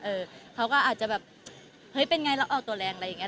เขาก็อาจจะแบบเฮ้ยเป็นไงเราออกตัวแรงอะไรอย่างนี้